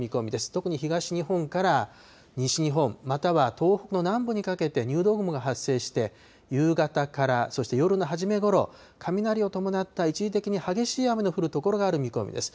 特に東日本から西日本、または東北の南部にかけて入道雲が発生して、夕方から、そして夜のはじめごろ、雷を伴った一時的に激しい雨の降る所がある見込みです。